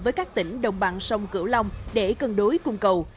với các tỉnh đồng bằng sông cửu long để cân đối cung cầu